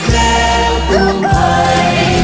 ทองใจจงแคลกลุ่มให้